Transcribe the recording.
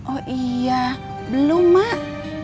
oh iya belum mak